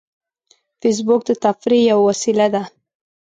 فېسبوک د تفریح یوه وسیله ده